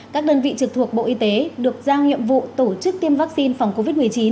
các đơn vị trực thuộc bộ y tế được giao nhiệm vụ tổ chức tiêm vaccine phòng covid một mươi chín